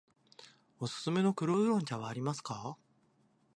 おすすめの黒烏龍茶はありますか。